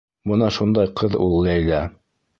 Бына шундай ҡыҙ ул Ләйлә.